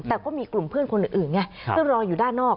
แต่ก็มีกลุ่มเพื่อนคนอื่นไงซึ่งรออยู่ด้านนอก